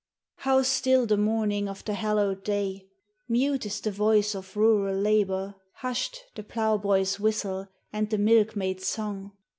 How still the morning of tin 1 hallowed day! Mute is the voice of rural labor, hushed The ploughboy's whistle and the milkmaid's song.